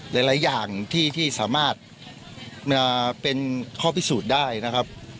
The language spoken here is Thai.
หลายอย่างที่สามารถเป็นข้อพิสูจน์ได้นะครับ